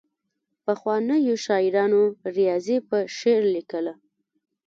پخوانیو شاعرانو ریاضي په شعر لیکله.